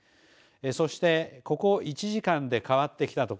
そして、ここ１時間で変わってきた所。